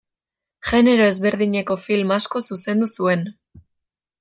Genero ezberdineko film asko zuzendu zuen.